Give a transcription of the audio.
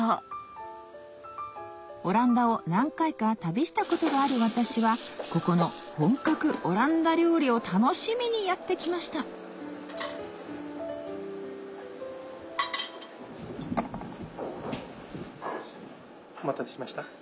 オランダを何回か旅したことがある私はここの本格オランダ料理を楽しみにやって来ましたお待たせしました